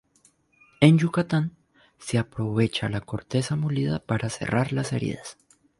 En Yucatán, se aprovecha la corteza molida para cerrar las heridas.